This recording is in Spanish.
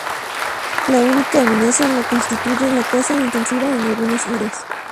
La única amenaza la constituye la caza intensiva en algunas áreas.